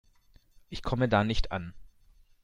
Ich komme da nicht an.